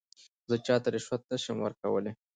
زه چاته رشوت نه شم ورکولای.